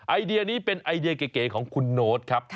ไอเดียนี้เป็นไอเดียเก๋ของคุณโน๊ตครับ